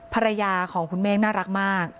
ภรรยาของคุณเมฆน่ารักมาก